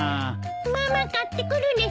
ママ買ってくるですか？